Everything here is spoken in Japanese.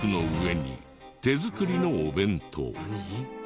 何？